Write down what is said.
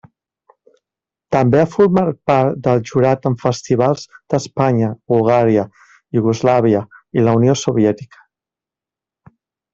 També ha format part del jurat en festivals d'Espanya, Bulgària, Iugoslàvia i la Unió Soviètica.